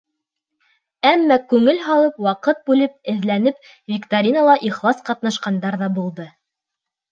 Әммә күңел һалып, ваҡыт бүлеп, эҙләнеп, викторинала ихлас ҡатнашҡандар ҙа булды.